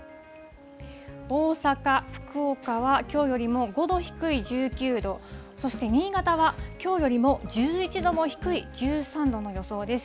大阪、福岡は、きょうよりも５度低い１９度、そして新潟は、きょうよりも１１度も低い１３度の予想です。